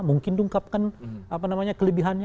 mungkin dungkapkan kelebihannya